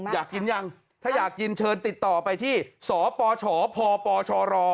อยากกินยังถ้าอยากกินเชิญติดต่อไปที่สปชพปชร